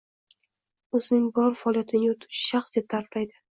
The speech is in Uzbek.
o‘zining biror faoliyatini yurituvchi shaxs» deb ta’riflaydi